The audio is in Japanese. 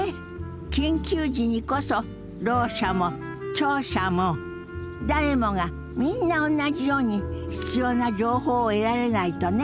緊急時にこそろう者も聴者も誰もがみんなおんなじように必要な情報を得られないとね。